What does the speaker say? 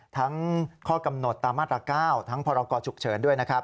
ทั้งข้อกำหนดตามัสละก้าวทั้งพอรากอฉุกเฉินด้วย